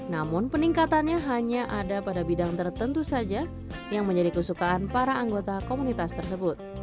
namun peningkatannya hanya ada pada bidang tertentu saja yang menjadi kesukaan para anggota komunitas tersebut